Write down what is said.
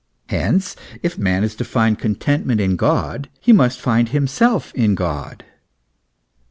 Hence, if man is to find contentment in God, he must find himself in God.